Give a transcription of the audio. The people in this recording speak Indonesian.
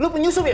lu penyusup ya